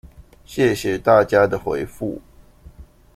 謝謝大家的回覆